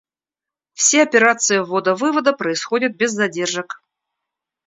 Все операции ввода-вывода происходят без задержек